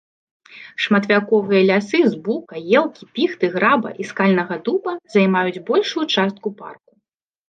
Шматвяковыя лясы з бука, елкі, піхты, граба і скальнага дуба займаюць большую частку парку.